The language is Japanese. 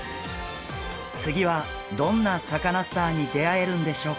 次はどんなサカナスターに出会えるんでしょうか。